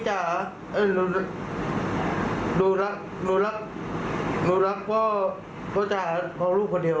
ใช่ครับมันจี๊ดเลยมันจี๊ดเลย